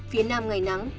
phía nam ngày nắng